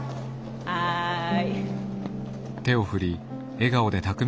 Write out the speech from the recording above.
はい。